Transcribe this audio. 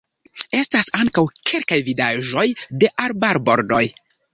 Estas ankaŭ kelkaj vidaĵoj de arbarbordoj.